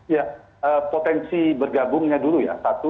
ya potensi bergabungnya dulu ya